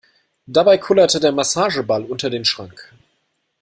Dabei kullerte der Massageball unter den Schrank.